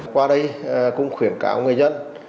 qua đây cũng khuyển cảo người dân